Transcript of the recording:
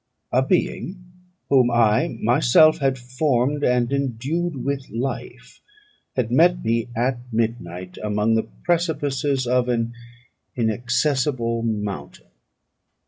A being whom I myself had formed, and endued with life, had met me at midnight among the precipices of an inaccessible mountain.